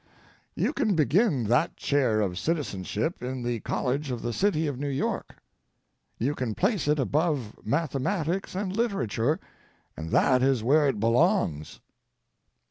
You can begin that chair of citizenship in the College of the City of New York. You can place it above mathematics and literature, and that is where it belongs.